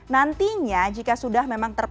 nantinya jika sudah memang terpaksa